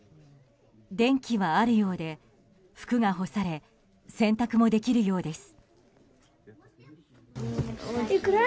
電気はあるようで、服が干され洗濯もできるようです。